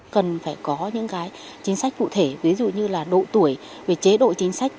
cần phải có những chính sách cụ thể ví dụ như độ tuổi chế độ chính sách